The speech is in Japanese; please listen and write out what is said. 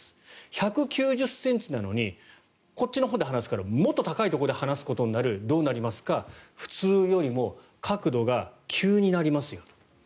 １９０ｃｍなのにこっちで離すからもっと高いところで離すことになるどうなるかというと普通よりも角度が急になりますよと。